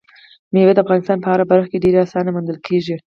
مېوې د افغانستان په هره برخه کې په ډېرې اسانۍ موندل کېږي.